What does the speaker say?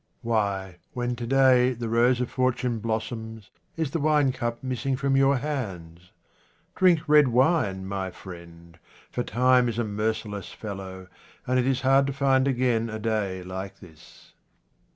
Why, when to day the rose of fortune blos soms, is the wine cup missing from your hands ? Drink red wine, my friend, for time is a merci less fellow, and it is hard to find again a day like this.